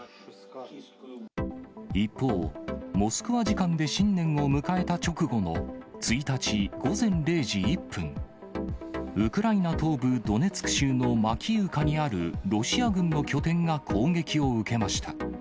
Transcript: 一方、モスクワ時間で新年を迎えた直後の１日午前０時１分、ウクライナ東部ドネツク州のマキイウカにあるロシア軍の拠点が攻撃を受けました。